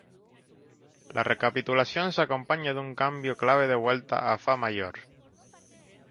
La recapitulación se acompaña de un cambio clave de vuelta a Fa major.